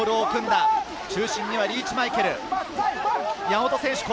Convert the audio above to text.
中心にはリーチ・マイケル。